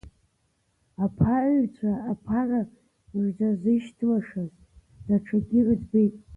Аԥааҩцәа аԥара рзаазышьҭлашаз даҽакгьы рыӡбеит…